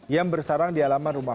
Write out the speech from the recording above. yang bersarang di halaman rumah